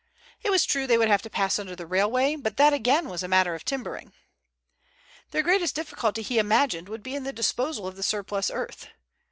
It was true they would have to pass under the railway, but that again was a matter of timbering. Their greatest difficulty, he imagined, would be in the disposal of the surplus earth.